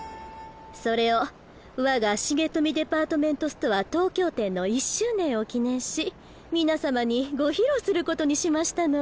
それをわが重富デパートメントストア東京店の１周年を記念し皆様にご披露することにしましたの。